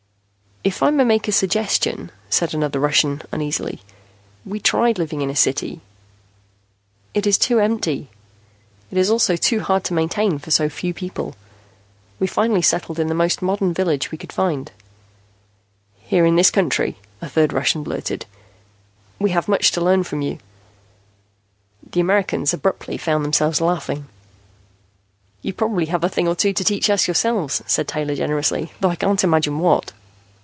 "If I may make a suggestion," said another Russian uneasily. "We tried living in a city. It is too empty. It is also too hard to maintain for so few people. We finally settled in the most modern village we could find." "Here in this country," a third Russian blurted. "We have much to learn from you." The Americans abruptly found themselves laughing. "You probably have a thing or two to teach us yourselves," said Taylor generously, "though I can't imagine what."